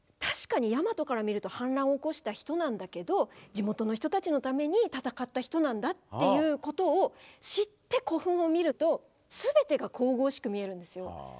確かにヤマトからみると反乱を起こした人なんだけど地元の人たちのために戦った人なんだっていうことを知って古墳を見ると全てが神々しく見えるんですよ。